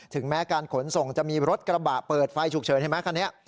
แม้การขนส่งจะมีรถกระบะเปิดไฟฉุกเฉินเห็นไหมคันนี้